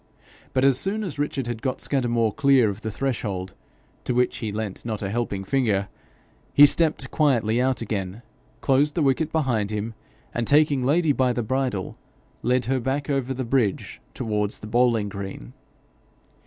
But as soon as Richard had got Scudamore clear of the threshold, to which he lent not a helping finger, he stepped quietly out again, closed the wicket behind him, and taking Lady by the bridle, led her back over the bridge towards the bowling green.